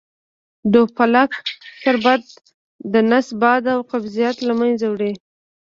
ډوفالک شربت دنس باد او قبضیت له منځه وړي .